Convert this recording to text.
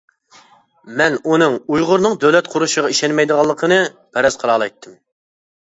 مەن ئۇنىڭ ئۇيغۇرنىڭ دۆلەت قۇرۇشىغا ئىشەنمەيدىغانلىقىنى پەرەز قىلالايتتىم.